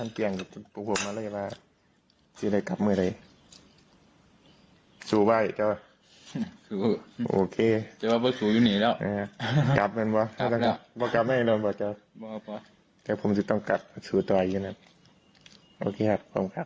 ปลอดภัยเจ๊ควิธวัฒน์ผมจะต้องกลับสู่ตัวอีกนะโอเคครับขอบคุณครับ